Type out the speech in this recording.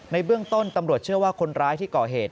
เบื้องต้นตำรวจเชื่อว่าคนร้ายที่ก่อเหตุ